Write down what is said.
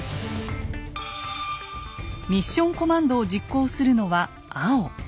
ミッション・コマンドを実行するのは青。